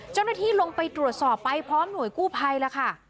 เจ้าหน้าที่ลงไปตรวจสอบไปพร้อมหน่วยกู้ภัยแล้วค่ะ